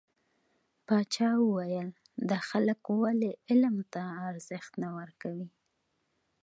پاچا وويل: دا خلک ولې علم ته ارزښت نه ورکوي .